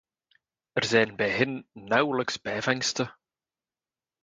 Er zijn bij hen nauwelijks bijvangsten.